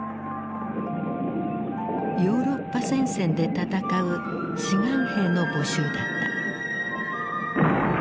ヨーロッパ戦線で戦う志願兵の募集だった。